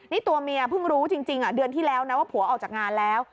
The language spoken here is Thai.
นี่ตัวเมียเพิ่งรู้จริงเดือนที่แล้วนะว่าผัวออกจากงานแล้ว